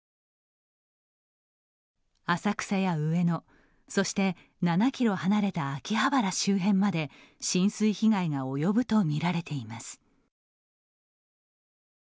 浅草や上野、そして７キロ離れた秋葉原周辺まで浸水被害が及ぶと見られています。